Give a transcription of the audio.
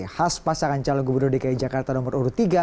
khas pasangan calon gubernur dki jakarta nomor urut tiga